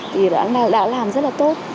thì đã làm rất là tốt